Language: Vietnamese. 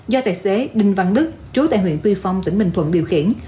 do tài xế đinh văn đức trú tại huyện tuy phong tỉnh bình thuận điều khiển